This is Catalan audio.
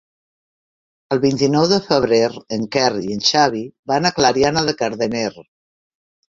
El vint-i-nou de febrer en Quer i en Xavi van a Clariana de Cardener.